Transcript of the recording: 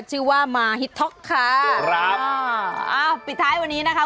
ชื่อว่ามาฮิตท็อกค่ะครับอ่าอ้าวปิดท้ายวันนี้นะคะ